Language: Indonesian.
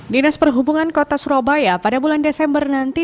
dinas perhubungan kota surabaya pada bulan desember nanti